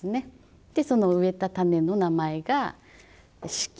その植えた種の名前が子規。